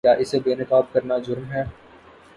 کیا اسے بے نقاب کرنا جرم ہے؟